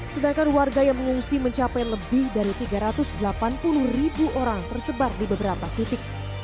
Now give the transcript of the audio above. sedangkan warga yang mengungsi mencapai lebih dari tiga ratus delapan puluh ribu orang tersebar di beberapa titik